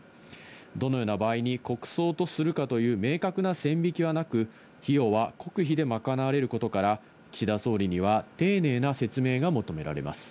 どのような場合に国葬とするかという明確な線引きはなく、費用は国費で賄われることから岸田総理には丁寧な説明が求められます。